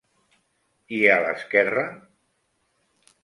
I a l'esquerra?